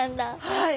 はい！